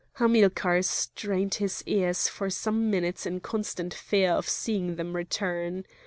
Hamilcar strained his ears for some minutes in constant fear of seeing them return.